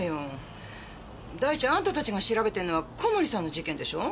第一あんたたちが調べてるのは小森さんの事件でしょ。